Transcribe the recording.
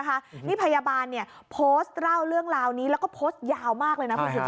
คะนี่พยาบาลเนี่ยโพสต์เล่าเรื่องล่าวนี้แล้วก็คือยาวมากเลยนะผู้ชาย